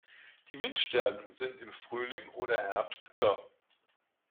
Die Windstärken sind im Frühling oder Herbst höher.